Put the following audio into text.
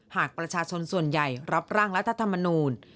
หากประชาชนส่วนใหญ่รับร่างรัฐธรรมนูล